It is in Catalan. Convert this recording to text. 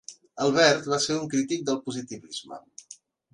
Albert va ser un crític del positivisme.